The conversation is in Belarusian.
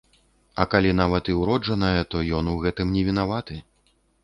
А калі нават і ўроджаная, то ён у гэтым не вінаваты.